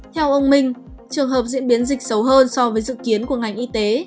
theo ông minh trường hợp diễn biến dịch sâu hơn so với dự kiến của ngành y tế